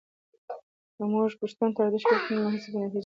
که موږ پښتو ته ارزښت ورکړو، نو هڅې به نتیجه ورکوي.